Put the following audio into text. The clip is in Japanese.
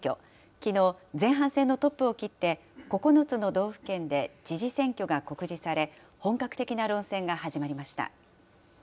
きのう、前半戦のトップを切って９つの道府県で知事選挙が告示され、本格的な論戦が始まりました。